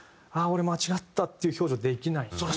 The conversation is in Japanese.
俺間違ったっていう表情できない。